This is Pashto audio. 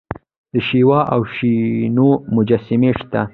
د شیوا او وشنو مجسمې شته